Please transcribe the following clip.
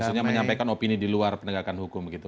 maksudnya menyampaikan opini di luar penegakan hukum begitu